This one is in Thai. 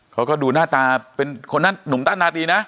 เขาก็ดูหน้าตาเป็นคนนั้นหนุ่มต้านนาดีนะ